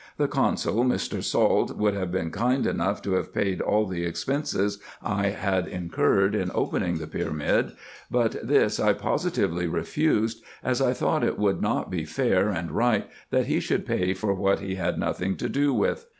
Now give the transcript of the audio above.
The consul, Mr. Salt, would have been kind enough to have paid all the ex penses I had incurred in opening the pyramid ; but this I positively refused, as I thought it would not be fair and right that he should pay for what he had nothing to do with.